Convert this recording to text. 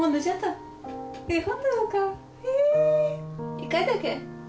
１回だけ？